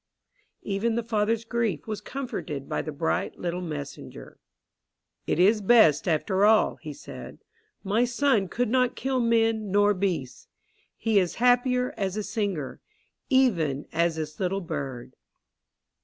Even the father's grief was comforted by the bright little messenger. "It is best after all," he said. "My son could not kill men nor beasts; he is happier as a singer, even as this little bird."